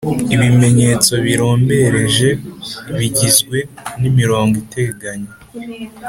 Ibimenyetso birombereje bigizwe n'imirongo iteganye